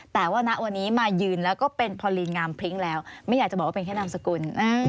แต่ว่าพอลีนงามพลิ้งแล้วไม่อยากจะบอกว่าเป็นแค่นามสกุล